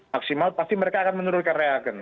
maksimal pasti mereka akan menurunkan reagen